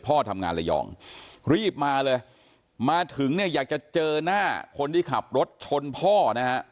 พ่อทำงานระยองรีบมาเลยมาถึงเนี่ยอยากจะเจอหน้าคนที่ขับรถชนพ่อนะฮะ